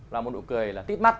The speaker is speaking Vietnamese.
là một nụ cười là tít mắt